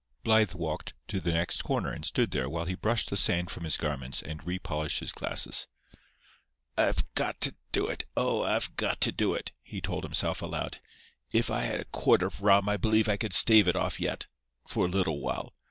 Blythe walked to the next corner and stood there while he brushed the sand from his garments and re polished his glasses. "I've got to do it—oh, I've got to do it," he told himself, aloud. "If I had a quart of rum I believe I could stave it off yet—for a little while.